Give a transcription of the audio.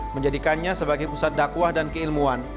menjadikannya sebagai pusat dakwah dan keilmuan